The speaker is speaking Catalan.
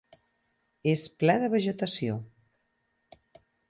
És ple de vegetació.